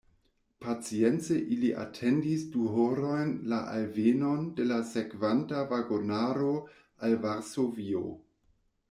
Pacience ili atendis du horojn la alvenon de la sekvanta vagonaro al Varsovio.